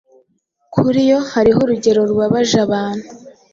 kuri yo Hariho urugero rubabaje abantu